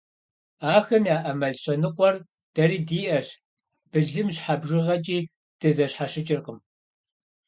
Ахэм яӏэ мэл щэныкъуэр дэри диӏэщ, былым щхьэ бжыгъэкӏи дызэщхьэщыкӏыркъым.